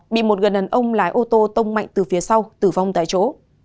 bị một người đàn ông lái ô tô tông mạnh từ phía sau tử vong tại chỗ